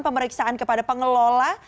pemeriksaan kepada pengelola